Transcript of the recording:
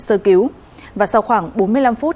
sơ cứu và sau khoảng bốn mươi năm phút